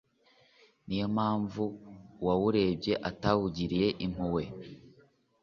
ni yo mpamvu Uwawuremye atawugiriye impuhwe,